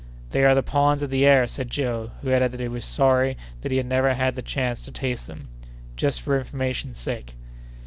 "They are the prawns of the air," said Joe, who added that he was sorry that he had never had the chance to taste them—just for information's sake!